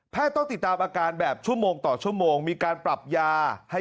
ต้องติดตามอาการแบบชั่วโมงต่อชั่วโมงมีการปรับยาให้